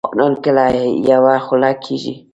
افغانان کله یوه خوله کیږي؟